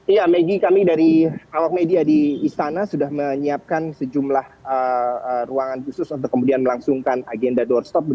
iya maggie kami dari awak media di istana sudah menyiapkan sejumlah ruangan khusus untuk kemudian melangsungkan agenda doorstop